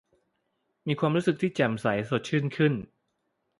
มีความรู้สึกที่แจ่มใสสดชื่นขึ้น